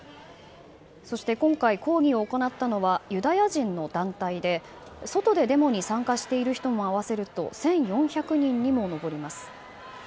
そして今回、抗議を行ったのはユダヤ人の団体で外でデモに参加している人も合わせると１４００人にも上ります。